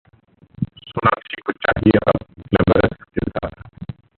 सोनाक्षी को चाहिए अब ग्लैमरस किरदार